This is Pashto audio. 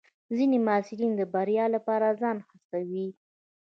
ځینې محصلین د بریا لپاره ځان هڅوي.